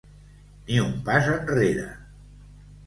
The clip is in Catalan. Ni un pas enrere!